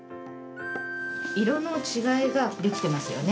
色の違いができてますよね。